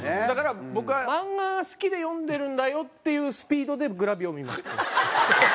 だから僕は漫画が好きで読んでるんだよっていうスピードでグラビアを見ます。